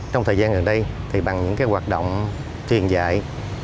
trong thời gian gần đây thì bằng những hoạt động truyền dạy